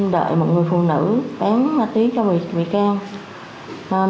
đợi một người phụ nữ bán ma túy cho một bị can